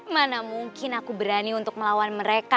mana mungkin aku berani untuk melawan mereka